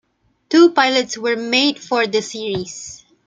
Two pilots were made for the series.